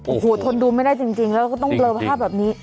โอ้โหทนดูไม่ได้จริงแล้วก็ต้องเลอภาพแบบนี้